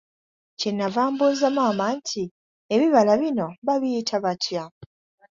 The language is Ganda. Kye nnava mbuuza maama nti, ebibala bino babiyita batya?